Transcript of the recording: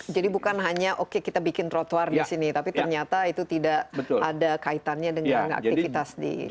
jadi bukan hanya oke kita bikin trotoar di sini tapi ternyata itu tidak ada kaitannya dengan aktivitas di sekelilingnya